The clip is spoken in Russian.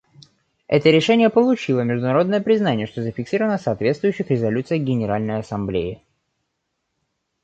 Это решение получило международное признание, что зафиксировано в соответствующих резолюциях Генеральной Ассамблеи.